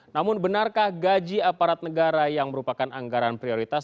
namun benarkah gaji aparat negara yang merupakan anggaran prioritas